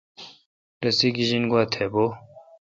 رسی گیجنگوا تھ بھو۔